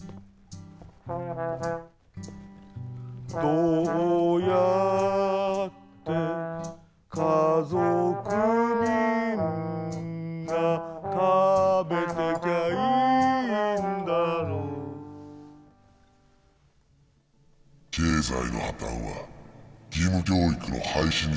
「どうやって家族みんな食べてきゃいいんだろう」経済の破綻は義務教育の廃止につながった。